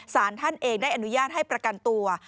สารท่านเองได้อนุญาตให้ประกันตัว